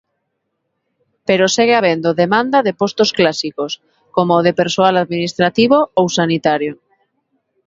Pero segue habendo demanda de postos clásicos como o de persoal administrativo ou sanitario.